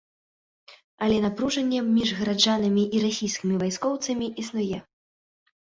Але напружанне між гараджанамі і расійскімі вайскоўцамі існуе.